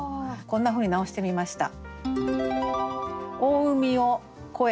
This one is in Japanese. こんなふうに直してみました。